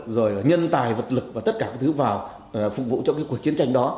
rồi nhân tài vật lực và tất cả các thứ vào phục vụ cho cái cuộc chiến tranh đó